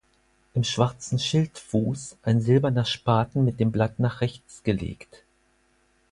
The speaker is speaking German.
Im schwarzen Schildfuß ein silberner Spaten mit dem Blatt nach rechts gelegt.